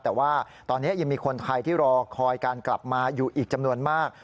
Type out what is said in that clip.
แต่ว่าตอนนี้ยังมีคนไทยที่รอคอยการกลับมาอยู่อีกจำนวนมาก